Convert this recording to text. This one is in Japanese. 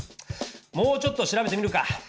もうちょっと調べてみるか。